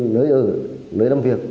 nơi ở nơi làm việc